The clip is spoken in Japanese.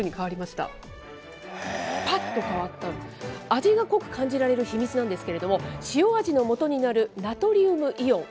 味が濃く感じられる秘密なんですけれども、塩味のもとになるナトリウムイオン。